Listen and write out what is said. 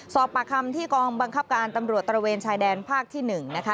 สอบปากคำที่กองบังคับการตำรวจตระเวนชายแดนภาคที่๑นะคะ